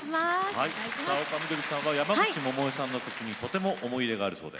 丘みどりさんは山口百恵さんの曲にとても思い入れがあるそうで。